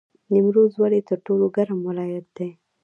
نیمروز ولې تر ټولو ګرم ولایت دی؟